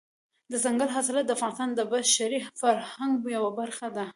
دځنګل حاصلات د افغانستان د بشري فرهنګ یوه برخه ده.